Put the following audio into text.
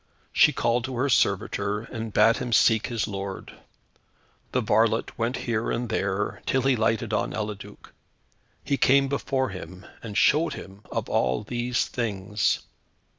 She called to her servitor, and bade him seek his lord. The varlet went here and there, till he lighted on Eliduc. He came before him, and showed him of all these things.